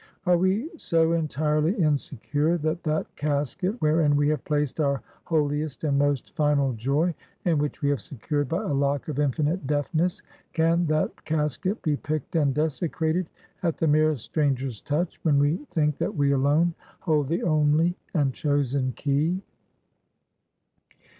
Are we so entirely insecure, that that casket, wherein we have placed our holiest and most final joy, and which we have secured by a lock of infinite deftness; can that casket be picked and desecrated at the merest stranger's touch, when we think that we alone hold the only and chosen key?